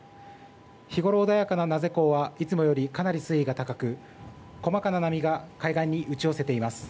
日ごろ穏やかな名瀬港はいつもより水位が高く細かな波が海岸に打ち寄せています。